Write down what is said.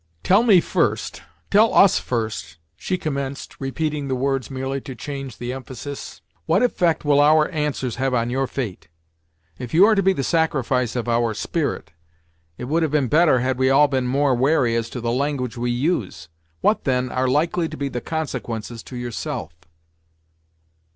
"Tell me, first tell us, first, Deerslayer," she commenced, repeating the words merely to change the emphasis "what effect will our answers have on your fate? If you are to be the sacrifice of our spirit, it would have been better had we all been more wary as to the language we use. What, then, are likely to be the consequences to yourself?"